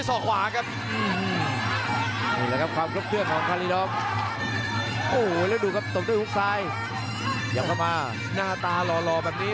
โอ้แล้วดูครับตกด้วยหุ้กซ้ายอย่าเข้ามาหน้าตาหล่อหล่อแบบนี้